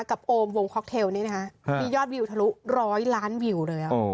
กับโอมวงคอคเทลเนี่ยนะคะมียอดวิวทะลุร้อยล้านวิวเลยแล้ว